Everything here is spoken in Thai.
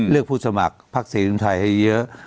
เลือกผู้สมัครพลักษณ์เสรีรวมไทยให้เยอะ